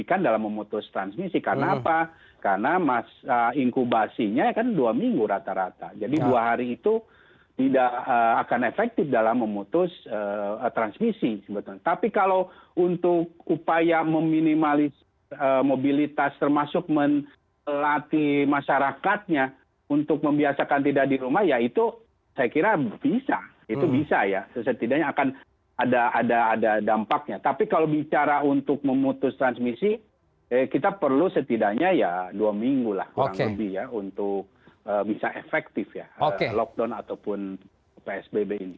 ada dampaknya tapi kalau bicara untuk memutus transmisi kita perlu setidaknya ya dua minggu lah kurang lebih ya untuk bisa efektif ya lockdown ataupun psbb ini